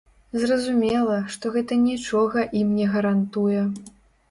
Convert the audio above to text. Зразумела, што гэта нічога ім не гарантуе.